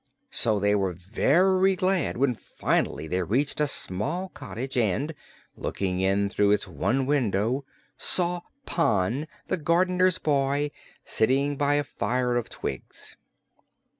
So they were very glad when finally they reached a small cottage and, looking in through its one window, saw Pon, the gardener's boy, sitting by a fire of twigs.